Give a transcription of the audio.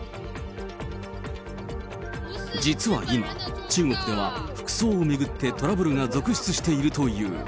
実は今、中国では服装を巡ってトラブルが続出しているという。